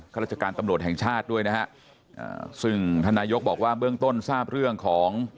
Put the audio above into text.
ข้าราชการตำรวจแห่งชาติด้วยนะครับซึ่งท่านายกรัฐมนตรีบอกว่าเบื้องต้นทราบเรื่องของ